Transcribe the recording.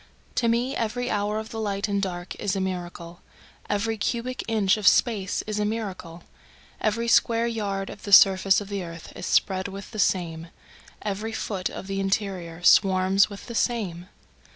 To me every hour of the light and dark is a miracle, Every cubic inch of space is a miracle, Every square yard of the surface of the earth is spread with the same, Every foot of the interior swarms with the same.